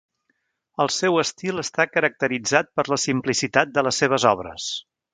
El seu estil està caracteritzat per la simplicitat de les seves obres.